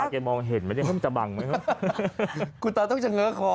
ตาแกมองเห็นมันจะบังไหมฮะคุณตาต้องจะเหลือคอ